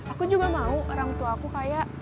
aku juga mau orang tuaku kaya